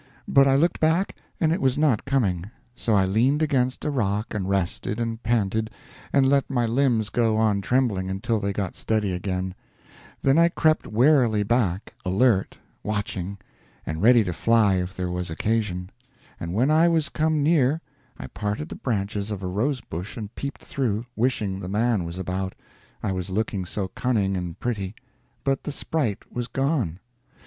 But I looked back, and it was not coming; so I leaned against a rock and rested and panted, and let my limbs go on trembling until they got steady again; then I crept warily back, alert, watching, and ready to fly if there was occasion; and when I was come near, I parted the branches of a rose bush and peeped through wishing the man was about, I was looking so cunning and pretty but the sprite was gone.